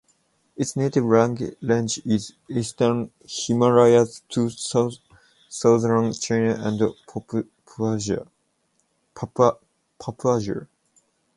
Its native range is Eastern Himalayas to southern China and Papuasia.